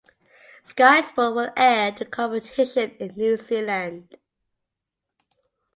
Sky Sport will air the competition in New Zealand.